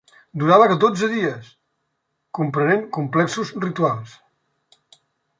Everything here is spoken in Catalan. Durava dotze dies, comprenent complexos rituals.